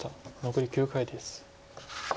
残り９回です。